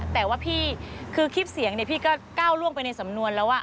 แต่ว่าพี่คือคลิปเสียงพี่ก็ก้าวล่วงไปในสำนวนแล้ว